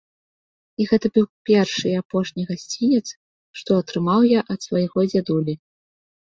І гэта быў першы і апошні гасцінец, што атрымаў я ад свайго дзядулі.